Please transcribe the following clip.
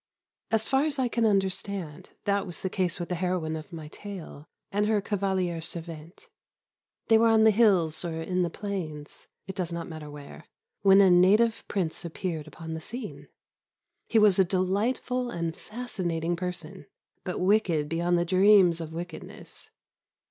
As far as I can understand, that was the case with the heroine of my tale and her cavaliere servente. They were on the hills or in the plains it does not matter where when a native Prince appeared upon the scene. He was a delightful and fascinating person, but wicked beyond the dreams of wickedness.